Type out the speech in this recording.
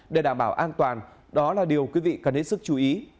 để đảm bảo an toàn đó là điều quý vị cần hết sức chú ý